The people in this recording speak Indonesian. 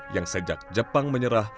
yang sejak jepang menyerah